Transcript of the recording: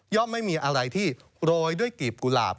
ไม่มีอะไรที่โรยด้วยกีบกุหลาบ